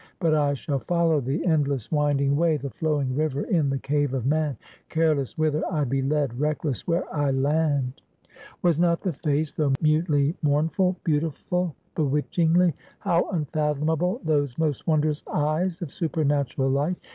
But I shall follow the endless, winding way, the flowing river in the cave of man; careless whither I be led, reckless where I land. Was not the face though mutely mournful beautiful, bewitchingly? How unfathomable those most wondrous eyes of supernatural light!